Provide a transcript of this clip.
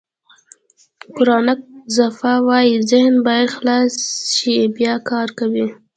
فرانک زفا وایي ذهن باید خلاص شي بیا کار کوي.